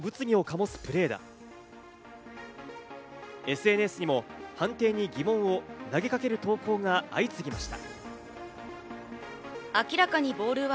ＳＮＳにも判定に疑問を投げかける投稿が相次ぎました。